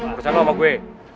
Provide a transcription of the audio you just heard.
bersama lu sama gue